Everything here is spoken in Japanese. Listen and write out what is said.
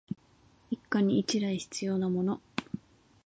一家に一台必要なもの